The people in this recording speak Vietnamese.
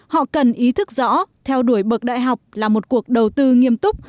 họ cần ý thức rõ theo đuổi bậc đại học là một cuộc đầu tư nghiêm túc